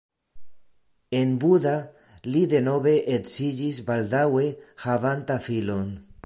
En Buda li denove edziĝis baldaŭe havanta filon.